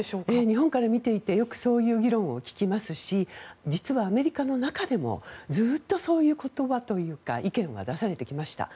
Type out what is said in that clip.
日本から見ていてよくそういう議論を聞きますし実はアメリカの中でもずっとそういう言葉というか意見は出されてきました。